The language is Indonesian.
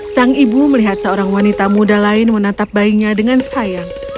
sang ibu melihat seorang wanita muda lain menatap bayinya dengan sayang